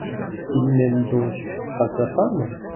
Il n’aime donc pas sa femme ?